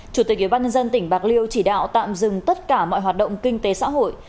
chủ tịch ubnd tỉnh bạc liêu chỉ đạo tạm dừng tất cả mọi hoạt động kinh tế xã hội